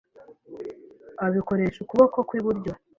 abikoresha ukuboko kw’iburyo,